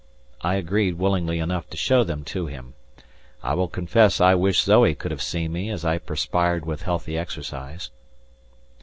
I agreed willingly enough to show them to him. I will confess I wish Zoe could have seen me as I perspired with healthy exercise.